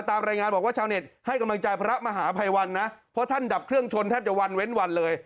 ตามรายงานบอกว่าชาวเน็ตให้กำลังใจพระมหาภัยวันนะเพราะท่านดับเครื่องชนแทบจะวันเว้นวันเลย